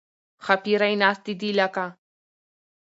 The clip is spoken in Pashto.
ښاپېرۍ ناستې دي لکه